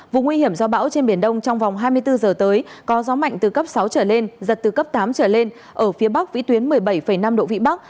vùng nguy hiểm do bão trên biển đông trong vòng hai mươi bốn giờ tới có gió mạnh từ cấp sáu trở lên giật từ cấp tám trở lên ở phía bắc vĩ tuyến một mươi bảy năm độ vĩ bắc